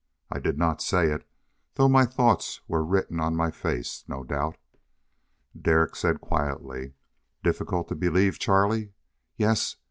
I did not say it, though my thoughts were written on my face, no doubt. Derek said quietly, "Difficult to believe, Charlie? Yes!